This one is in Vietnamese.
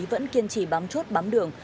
vẫn kiên trì bám chốt bám đường